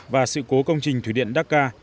và sự cố công trình thủy điện đắc ca